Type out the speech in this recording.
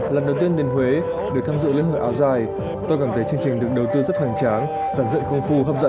lần đầu tiên đến huế được tham dự lễ hội áo dài tôi cảm thấy chương trình được đầu tư rất hoàn trang giàn dựng công phu hấp dẫn